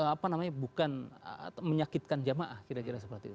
apa namanya bukan menyakitkan jamaah kira kira seperti itu